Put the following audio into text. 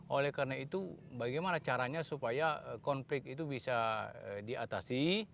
oleh karena itu bagaimana caranya supaya konflik itu bisa diatasi